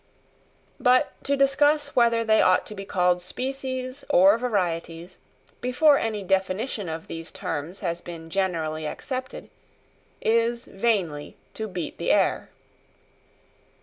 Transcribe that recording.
But to discuss whether they ought to be called species or varieties, before any definition of these terms has been generally accepted, is vainly to beat the air.